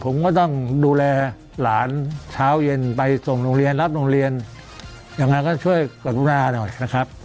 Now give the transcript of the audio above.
ผมก็ต้องดูแลหลานเช้าเย็นไปส่งโรงเรียนรับโรงเรียนยังไงก็ช่วยกรุณาหน่อยนะครับ